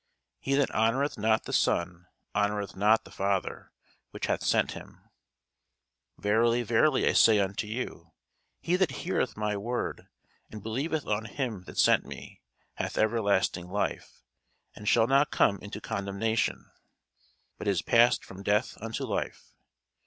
He that honoureth not the Son honoureth not the Father which hath sent him. Verily, verily, I say unto you, He that heareth my word, and believeth on him that sent me, hath everlasting life, and shall not come into condemnation; but is passed from death unto life.